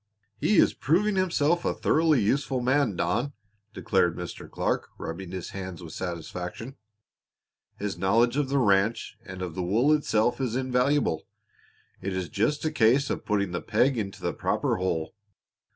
"He is proving himself a thoroughly useful man, Don," declared Mr. Clark rubbing his hands with satisfaction. "His knowledge of the ranch and of the wool itself is invaluable. It is just a case of putting the peg into the proper hole.